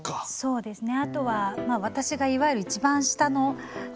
そうですね